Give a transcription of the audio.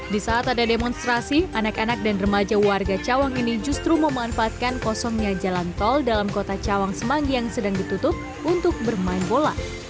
di saat ada demonstrasi anak anak dan remaja warga cawang ini justru memanfaatkan kosongnya jalan tol dalam kota cawang semanggi yang sedang ditutup untuk bermain bola